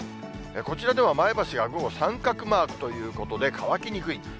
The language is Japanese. こちらでは前橋が午後三角マークということで、乾きにくい。